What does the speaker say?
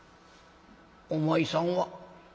「お前さんは？」。